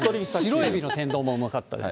白エビの天丼、うまかったです。